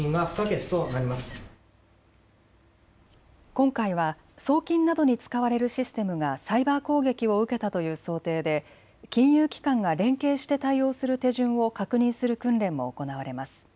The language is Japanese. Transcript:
今回は送金などに使われるシステムがサイバー攻撃を受けたという想定で金融機関が連携して対応する手順を確認する訓練も行われます。